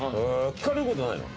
聞かれることないの？